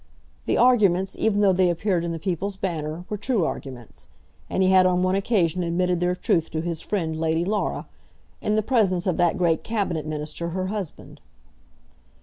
The arguments, even though they appeared in the People's Banner, were true arguments; and he had on one occasion admitted their truth to his friend Lady Laura, in the presence of that great Cabinet Minister, her husband.